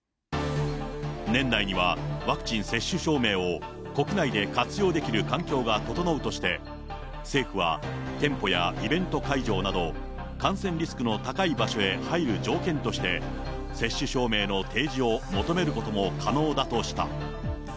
年内にはワクチン接種証明を国内で活用できる環境が整うとして、政府は店舗やイベント会場など、感染リスクの高い場所へ入る条件として、接種証明の提示を求めることも可能だとした。